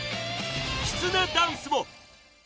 きつねダンスも！